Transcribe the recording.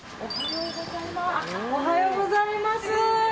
おはようございます。